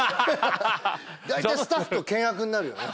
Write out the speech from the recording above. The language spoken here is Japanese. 大体スタッフと険悪になるよね